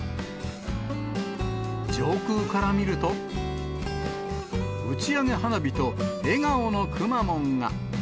上空から見ると、打ち上げ花火と笑顔のくまモンが。